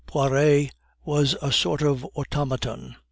Poiret was a sort of automaton.